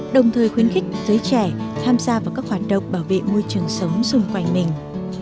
đồng thời khuyến khích giới trẻ tham gia vào các hoạt động bảo vệ môi trường sống xung quanh mình